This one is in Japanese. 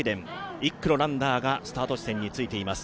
１区のランナーがスタート地点についています。